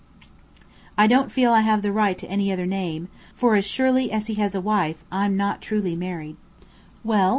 "I don't feel I have the right to any other name, for surely as he has a wife I'm not truly married." "Well?"